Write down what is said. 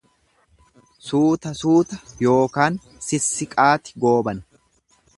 Suuta suuta yookaan sissiiqaati goobana.